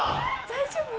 大丈夫？